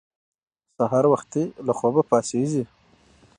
سهار وختي له خوبه پاڅېږئ.